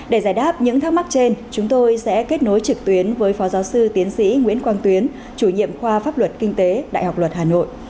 để giải đáp những thắc mắc trên chúng tôi sẽ kết nối trực tuyến với phó giáo sư tiến sĩ nguyễn quang tuyến chủ nhiệm khoa pháp luật kinh tế đại học luật hà nội